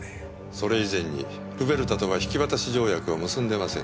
それ以前にルベルタとは引渡条約を結んでません。